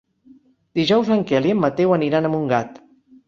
Dijous en Quel i en Mateu aniran a Montgat.